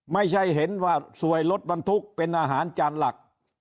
ไม่ใช่เห็นว่าสวยรถบรรทุกเป็นอาหารจานหลัก